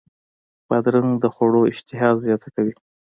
بادرنګ د خوړو اشتها زیاته کوي.